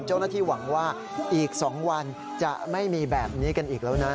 เจ้าหน้าที่หวังว่าอีก๒วันจะไม่มีแบบนี้กันอีกแล้วนะ